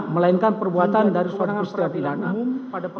melainkan perbuatan dari suatu perbuatan dari suatu perbuatan